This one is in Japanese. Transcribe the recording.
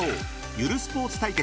［ゆるスポーツ対決